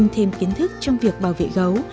nhưng thêm kiến thức trong việc bảo vệ gấu